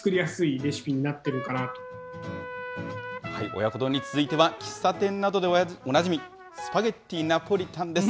親子丼に続いては、喫茶店などでおなじみ、スパゲッティナポリタンです。